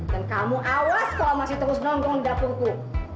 dan kamu awas kalo masih terus nonggong di dapurku